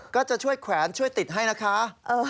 ก็จะช่วยแขวนช่วยติดให้นะคะ